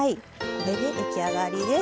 これで出来上がりです。